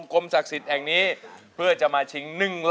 ก็รอบหน่ายให้ล้านหนึ่ง